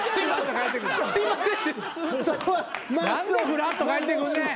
何でふらっと帰ってくんねん。